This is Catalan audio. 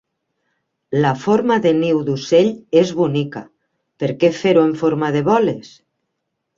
La forma de niu d'ocell és bonica, per què fer-ho en forma de boles?